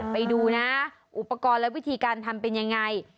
ไปดูนะอุปกรณ์และวิธีการทำเป็นยังไง